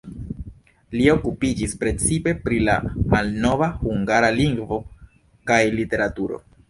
Li okupiĝis precipe pri la malnova hungara lingvo kaj literaturo.